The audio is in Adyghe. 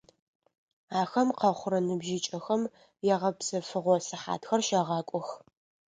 Ахэм къэхъурэ ныбжьыкӀэхэм ягъэпсэфыгъо сыхьатхэр щагъакӀох.